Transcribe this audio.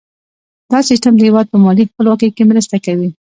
دا سیستم د هیواد په مالي خپلواکۍ کې مرسته کوي.